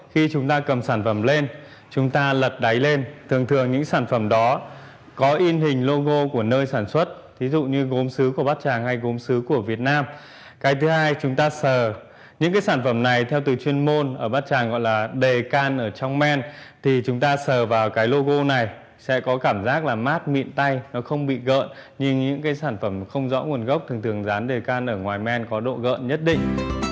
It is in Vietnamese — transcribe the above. thì chúng ta sờ vào cái logo này sẽ có cảm giác là mát mịn tay nó không bị gợn như những cái sản phẩm không rõ nguồn gốc thường thường dán đề can ở ngoài men có độ gợn nhất định